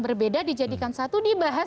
berbeda dijadikan satu dibahas